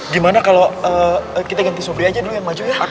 gimana kalau kita ganti subri aja dulu yang maju ya